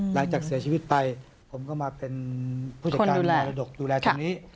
หลังจากเสียชีวิตไปผมก็มาเป็นผู้จัดการมรดกดูแลตรงนี้